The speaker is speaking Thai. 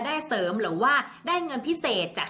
ส่งผลทำให้ดวงชาวราศีมีนดีแบบสุดเลยนะคะ